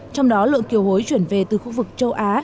trong đó lượng kiều hối chuyển về từ khu vực châu á